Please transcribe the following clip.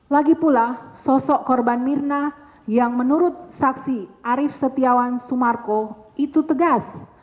lagi pula sosok korban mirna yang menurut saksi arief setiawan sumarko itu tegas